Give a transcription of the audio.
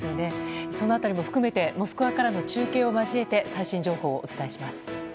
その辺りも含めてモスクワからの中継を交えて最新情報をお伝えします。